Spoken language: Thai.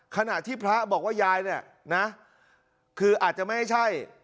ขณะที่พระบอกว่ายายเนี่ยนะคืออาจจะไม่ใช่